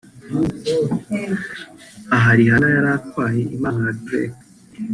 Aha Rihanna yari atwaye impano ya Drake